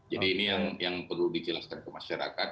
jadi ini yang perlu dijelaskan ke masyarakat